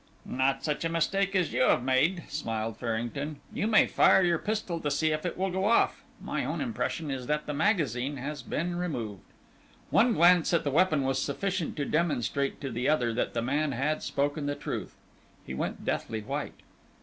"Not such a mistake as you have made," smiled Farrington. "You may fire your pistol to see if it will go off. My own impression is that the magazine has been removed." One glance at the weapon was sufficient to demonstrate to the other that the man had spoken the truth. He went deathly white.